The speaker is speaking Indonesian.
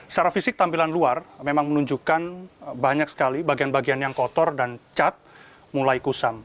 secara fisik tampilan luar memang menunjukkan banyak sekali bagian bagian yang kotor dan cat mulai kusam